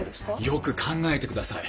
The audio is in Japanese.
よく考えてください。